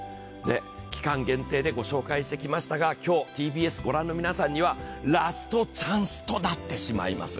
期間限定でご紹介してきましたが、今日ＴＢＳを御覧の皆さんには、ラストチャンスとなってしまいます。